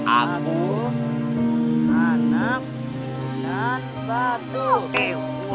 aku anam dan batu